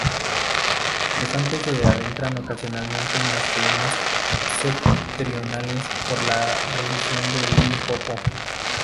Los elefantes se adentran ocasionalmente en las colinas septentrionales por la región de Limpopo.